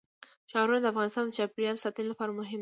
ښارونه د افغانستان د چاپیریال ساتنې لپاره مهم دي.